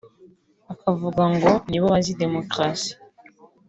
bakavuga ngo nibo bazi demokarasi